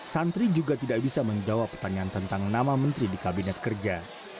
santri juga tidak bisa menjawab pertanyaan tentang nama menteri di kabinet kerja